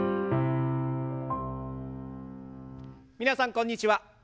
皆さんこんにちは。